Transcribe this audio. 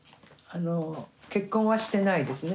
結婚はしてないですね。